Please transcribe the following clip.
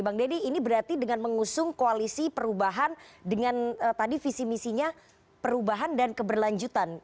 bang deddy ini berarti dengan mengusung koalisi perubahan dengan tadi visi misinya perubahan dan keberlanjutan